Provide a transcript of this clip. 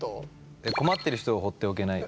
「困ってる人を放っておけない」。